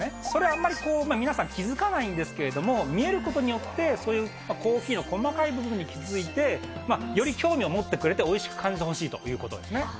それ、あんまり皆さん気付かないんですけど、見えることによって、そういうコーヒーの細かい部分に気付いて、より興味を持ってくれておいしく感じてほしいということですね。